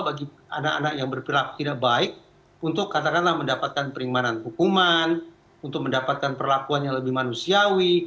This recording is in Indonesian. bagi anak anak yang berpilak tidak baik untuk katakanlah mendapatkan peringmanan hukuman untuk mendapatkan perlakuan yang lebih manusiawi